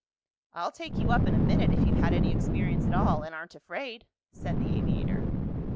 "I'll take you up in a minute if you've had any experience at all, and aren't afraid," said the aviator.